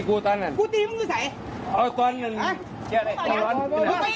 หังหังหัง